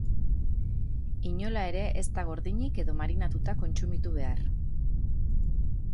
Inola ere ez da gordinik edo marinatuta kontsumitu behar.